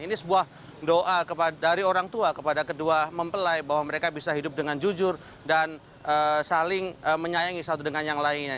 ini sebuah doa dari orang tua kepada kedua mempelai bahwa mereka bisa hidup dengan jujur dan saling menyayangi satu dengan yang lainnya